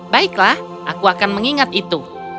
baiklah aku akan mengingat itu